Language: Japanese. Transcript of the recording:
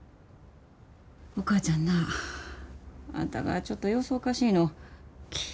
お母ちゃんなあんたがちょっと様子おかしいの気ぃ